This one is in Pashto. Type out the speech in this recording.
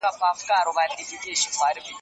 د جرګي په ويناوو کي به د هیواد مینه ښکارېده.